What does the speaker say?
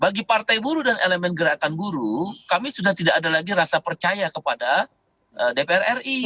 bagi partai buruh dan elemen gerakan buruh kami sudah tidak ada lagi rasa percaya kepada dpr ri